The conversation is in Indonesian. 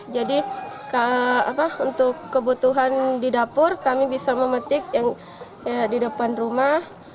jadi untuk kebutuhan di dapur kami bisa memetik yang di depan rumah